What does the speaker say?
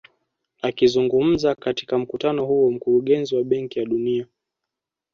Akizungumza katika mkutano huo mkurugenzi wa benki ya dunia